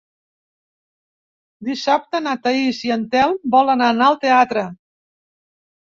Dissabte na Thaís i en Telm volen anar al teatre.